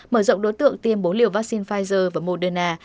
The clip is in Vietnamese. mở rộng đối tượng tiêm bốn liều vaccine pfizer và moderna